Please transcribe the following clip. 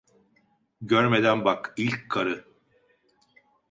Görmeden bak, ilk karı.